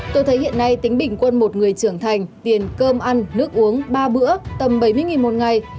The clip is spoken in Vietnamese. tôi thấy hiện nay tính bình quân một người trưởng thành tiền cơm ăn nước uống ba bữa tầm bảy mươi một ngày